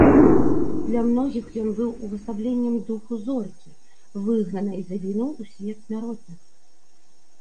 Для многіх ён быў увасабленнем духу зоркі, выгнанай за віну ў свет смяротных.